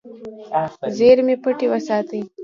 زیرمې پټې وساتې.